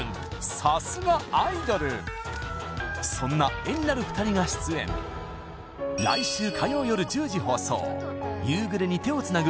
さすがアイドルそんな画になる２人が出演来週火曜よる１０時放送「夕暮れに、手をつなぐ」